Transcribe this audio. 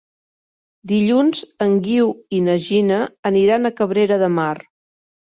Dilluns en Guiu i na Gina aniran a Cabrera de Mar.